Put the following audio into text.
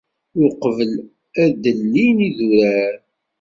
Uqbel ad d-ilin yidurar.